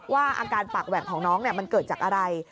อาการปากแหว่งของน้องมันเกิดจากอะไร